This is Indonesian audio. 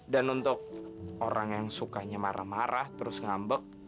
dan untuk orang yang sukanya marah marah terus ngambek